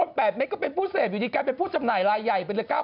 ถ้าสมมุติโดน๘เมตรก็เป็นแค่ผู้เสพได้ไปบำบัด๙๖๐๐เมตรนี่จะได้ออกจากคุกเมื่อไหร่